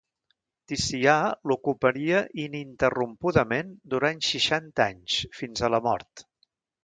Ticià l'ocuparia ininterrompudament durant seixanta anys, fins a la mort.